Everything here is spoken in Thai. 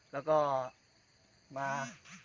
แล้วก็มา